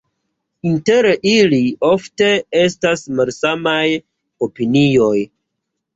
Inter ili ofte estas malsamaj opinioj.